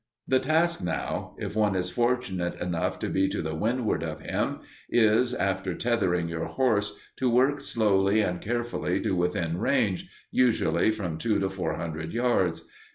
The task now, if one is fortunate enough to be to the windward of him, is, after tethering your horse, to work slowly and carefully to within range, usually from two to four hundred yards.